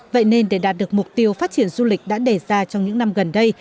vậy nên để đạt được mục tiêu phát triển du lịch đã đề ra trong những năm gần đây